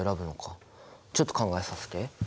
ちょっと考えさせて。